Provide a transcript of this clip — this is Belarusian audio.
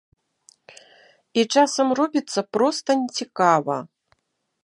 І часам робіцца проста не цікава.